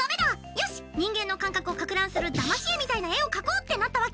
よし人間の感覚をかく乱するだまし絵みたいな絵を描こう！」ってなったわけ。